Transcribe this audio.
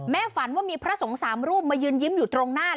ฝันว่ามีพระสงฆ์สามรูปมายืนยิ้มอยู่ตรงหน้า